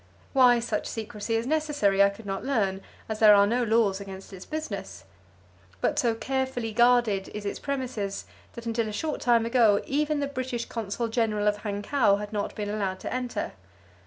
Why such secrecy is necessary I could not learn, as there are no laws against its business. But so carefully guarded is its premises that until a short time ago even the British consul general of Hankow had not been allowed to enter.